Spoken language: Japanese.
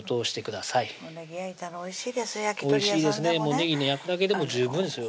ねぎね焼くだけでも十分ですよ